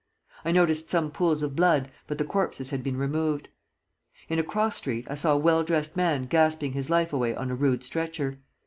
I noticed some pools of blood, but the corpses had been removed; in a cross street I saw a well dressed man gasping his life away on a rude stretcher.